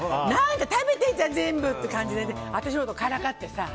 食べてるじゃん、全部って感じで私のことをからかってさ。